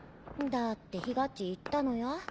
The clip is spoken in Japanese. だってひがっち言ったのよ。